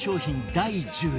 第１０位